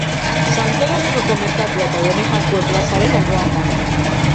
Santo Domingoko merkatua eta Done Jakue plazaren alboan dago.